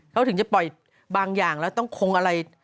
เขาถึงจะปล่อยบางอย่างแล้วต้องคงอะไร